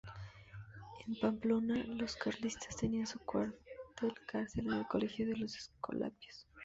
En Pamplona los carlistas tenían su cuartel-cárcel en el colegio de los Escolapios.